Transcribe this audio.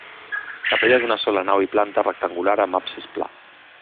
Capella d'una sola nau i planta rectangular amb absis pla.